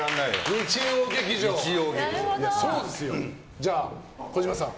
じゃあ、児嶋さん